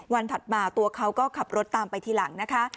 ถัดมาตัวเขาก็ขับรถตามไปทีหลังนะคะ